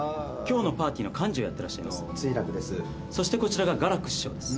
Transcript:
そしてこちらが雅楽師匠です。